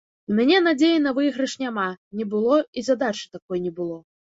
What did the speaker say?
У мяне надзеі на выйгрыш няма, не было, і задачы такой не было.